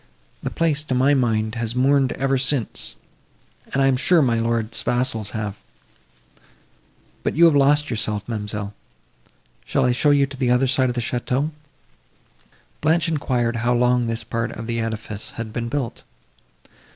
The place, to my mind, has mourned ever since, and I am sure my lord's vassals have! But you have lost yourself, ma'amselle,—shall I show you to the other side of the château?" Blanche enquired how long this part of the edifice had been built.